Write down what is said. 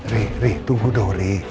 ri ri tunggu dong ri